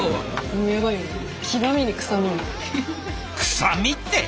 「臭み」って。